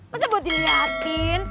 masa buat diliatin